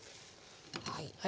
はい。